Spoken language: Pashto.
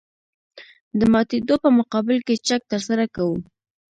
د ماتېدو په مقابل کې چک ترسره کوو